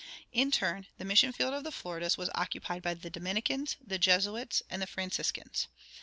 In turn, the mission field of the Floridas was occupied by the Dominicans, the Jesuits, and the Franciscans.